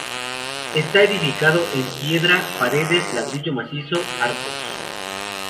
Está edificado en piedra, paredes, ladrillo macizo, arcos.